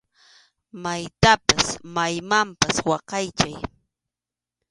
Imatapas maymanpas waqaychay.